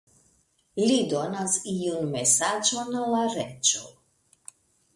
Li donas iun mesaĝon al la reĝo.